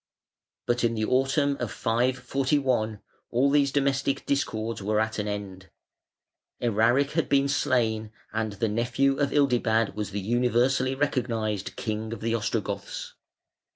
But in the autumn of 541 all these domestic discords were at an end; Eraric had been slain, and the nephew of Ildibad was the universally recognised king of the Ostrogoths.